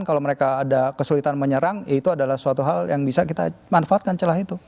kalau mereka ada kesulitan menyerang ya itu adalah suatu hal yang bisa kita manfaatkan celah itu